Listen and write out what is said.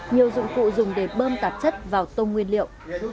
nhiều dụng cụ dùng để bơm tạp chất vào tôm nguyên liệu